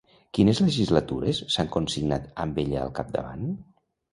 Quines legislatures s'han consignat amb ella al capdavant?